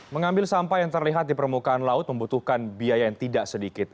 mengambil sampah yang terlihat di permukaan laut membutuhkan biaya yang tidak sedikit